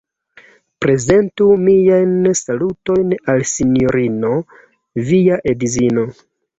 Prezentu miajn salutojn al Sinjorino via edzino!